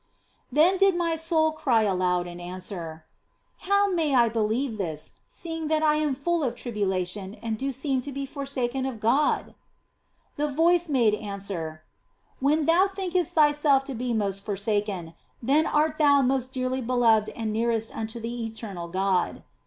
Then did my soul cry aloud and answer :" How may 246 THE BLESSED ANGELA I believe this, seeing that I am full of tribulation and do seem to be forsaken of God ?" The voice made answer :" When thou thinkest thyself to be most forsaken, then art thou most dearly be loved and nearest unto the eternal God."